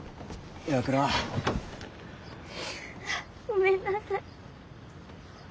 ごめんなさい。